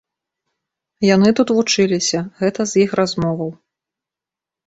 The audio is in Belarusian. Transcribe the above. Яны тут вучыліся, гэта з іх размоваў.